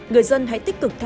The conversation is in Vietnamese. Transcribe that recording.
người dân hãy tích cực